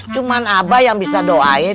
cuma abah yang bisa doain